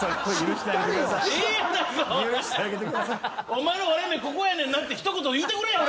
「お前の割れ目ここやねんな」って一言言うてくれよ！